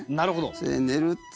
それで「寝る」。